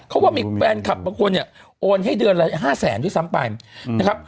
เขาว่ามีแฟนคลับบางคนเนี่ยโอนให้เดือนละ๕แสนด้วยซ้ำไปนะครับ